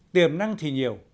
tiềm năng thì nhiều